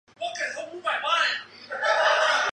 进出冰岛只能通过海路或航空。